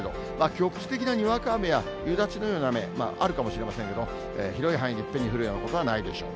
局地的なにわか雨や夕立のような雨、あるかもしれませんけれども、広い範囲にいっぺんに降るようなことはないでしょう。